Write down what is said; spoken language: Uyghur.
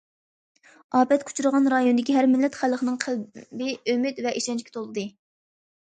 ئاپەتكە ئۇچرىغان رايونىدىكى ھەر مىللەت خەلقنىڭ قەلبى ئۈمىد ۋە ئىشەنچكە تولدى!